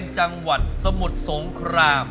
กรุงเทพหมดเลยครับ